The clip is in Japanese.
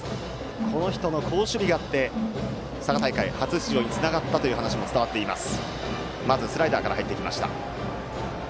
この人の好守備があって佐賀大会を勝ち抜き初出場につながったという話も伝わっています。